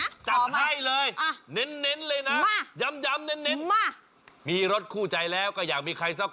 เอาเลนเอาใหม่